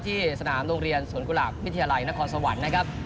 ที่สนามโรงเรียนสวนกุหลาบวิทยาลัยนครสวรรค์นะครับ